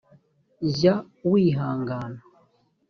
jya wihangana